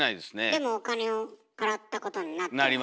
でもお金を払ったことになってるわよね。